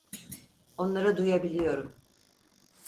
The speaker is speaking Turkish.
Onları duyabiliyorum.